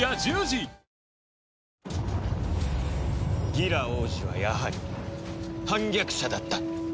ギラ王子はやはり反逆者だった。